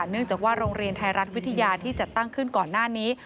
เนื่องจากว่าโรงเรียนไทยรัฐวิทยาที่จัดตั้งขึ้นก่อนหน้านี้